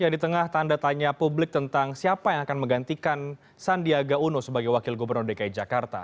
di tengah tanda tanya publik tentang siapa yang akan menggantikan sandiaga uno sebagai wakil gubernur dki jakarta